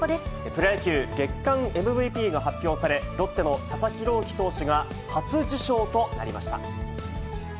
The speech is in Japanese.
プロ野球月間ＭＶＰが発表され、ロッテの佐々木朗希投手が、初受賞となりました。